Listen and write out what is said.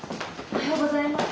おはようございます。